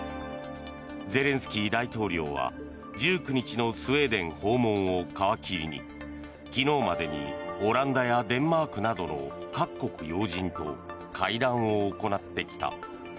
ゼレンスキー大統領は１９日のスウェーデン訪問を皮切りに昨日までにオランダやデンマークなどの各国要人と会談を行ってきた。